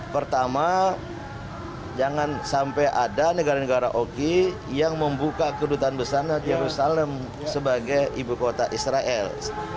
pertama jangan sampai ada negara negara oki yang membuka kedutaan besar jerusalem sebagai ibu kota israel